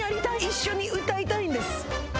一緒に歌いたいんです。